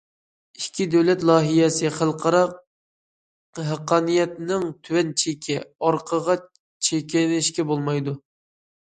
« ئىككى دۆلەت لايىھەسى» خەلقئارا ھەققانىيەتنىڭ تۆۋەن چېكى، ئارقىغا چېكىنىشكە بولمايدۇ.